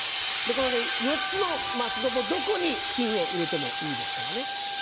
この４つのマスのどこに金を入れてもいいですからね。